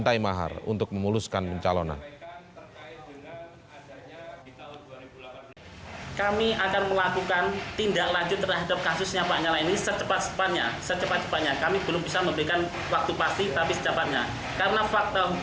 lanyala menerima pengaduan kandidat kepala daerah